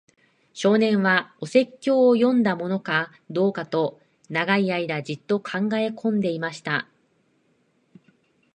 少年は、お説教を読んだものかどうかと、長い間じっと考えこんでいました。